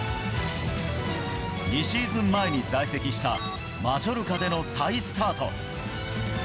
２シーズン前に在籍したマジョルカでの再スタート。